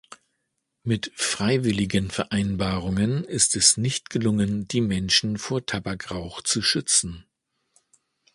Mit freiwilligen Vereinbarungen ist es nicht gelungen, die Menschen vor Tabakrauch zu schützen.